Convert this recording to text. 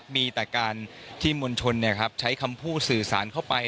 มีแต่การที่มวลชนใช้คำพูดสื่อสารเข้าไป